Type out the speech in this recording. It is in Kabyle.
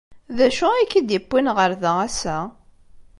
D acu ay k-id-yewwin ɣer da ass-a?